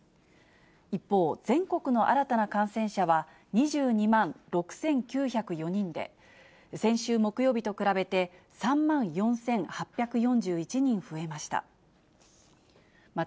一方、全国の新たな感染者は２２万６９０４人で、先週木曜日と比べて、３万４８４１人増えました。